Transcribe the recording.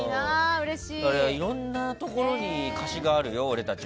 いろいろなところに貸しがあるよ。